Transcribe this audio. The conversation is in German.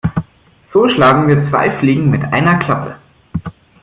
So schlagen wir zwei Fliegen mit einer Klappe.